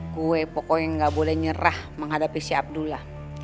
kue pokoknya gak boleh nyerah menghadapi si abdullah